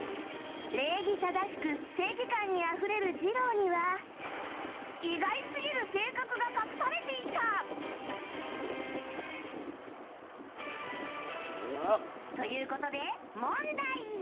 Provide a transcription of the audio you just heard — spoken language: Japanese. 礼儀正しく正義感にあふれるジロウには意外すぎる性格が隠されていた！ということで、問題！